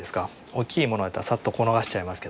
大きいものやったらサッとこう流しちゃいますけども。